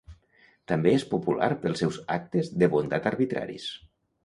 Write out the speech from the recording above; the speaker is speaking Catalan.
També és popular pels seus actes de bondat arbitraris.